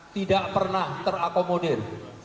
tidak pernah terakomodir